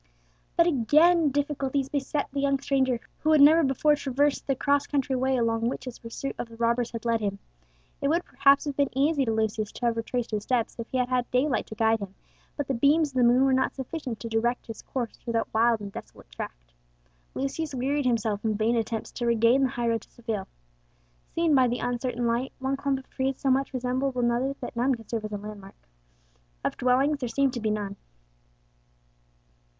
But again difficulties beset the young stranger, who had never before traversed the cross country way along which his pursuit of the robbers had led him. It would perhaps have been easy to Lucius to have retraced his steps if he had had daylight to guide him, but the beams of the moon were not sufficient to direct his course through that wild and desolate tract. Lucius wearied himself in vain attempts to regain the highroad to Seville. Seen by the uncertain light, one clump of trees so much resembled another that none could serve as a landmark. Of dwellings there seemed to be none.